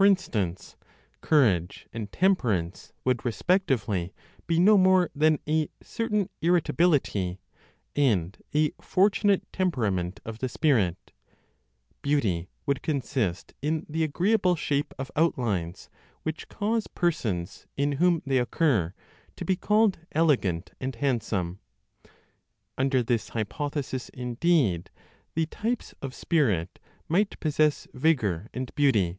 For instance, courage and temperance would respectively be no more than a certain irritability, and a fortunate temperament of the spirit; beauty would consist in the agreeable shape of outlines, which cause persons, in whom they occur, to be called elegant and handsome. Under this hypothesis, indeed, the types of spirit might possess vigor and beauty.